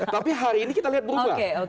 tapi hari ini kita lihat berubah